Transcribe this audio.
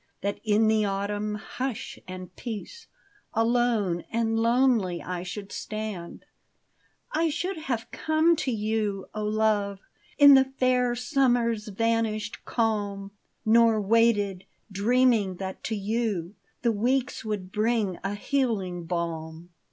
That in the autumn hush and peace Alone and lonely I should stand, — I should have come to you, O love, In the fair summer's vanished calm. Nor waited, dreaming that to you The weeks would bring a healing balm.